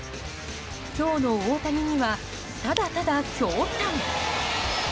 今日の大谷にはただただ驚嘆。